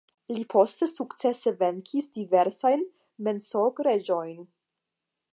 Li poste sukcese venkis diversajn "mensog-reĝojn".